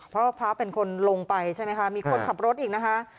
เพราะพระเป็นคนลงไปใช่ไหมคะมีคนขับรถอีกนะคะ